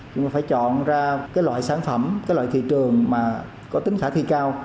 chúng ta phải chọn ra cái loại sản phẩm cái loại thị trường mà có tính khả thi cao